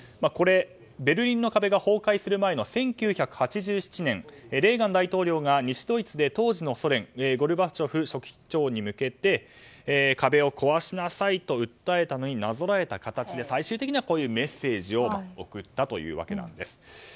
これ、ベルリンの壁が崩壊する前の１９８７年レーガン大統領が西ドイツで当時のソ連ゴルバチョフ書記長に向けて壁を壊しなさいと訴えたのになぞらえた形で最終的にはこういうメッセージを送ったわけなんです。